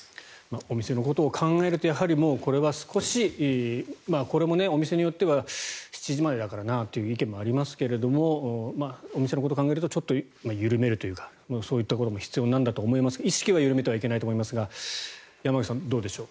お店のことを考えるとこれは少しこれもお店によっては７時までだからなという意見もありますがお店のことを考えるとちょっと緩めるというかそういったことも必要だと思いますが意識は緩めてはいけないと思いますが山口さん、どうでしょう。